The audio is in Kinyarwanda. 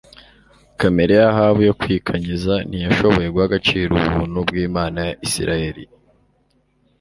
Kamere ya Ahabu yo kwikanyiza ntiyashoboye guha agaciro ubuntu bwImana ya Isirayeli